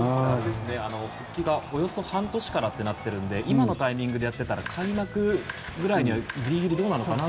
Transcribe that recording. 復帰がおよそ半年からとなっているので今のタイミングでやっていたら開幕ぐらいにはギリギリどうなのかなと。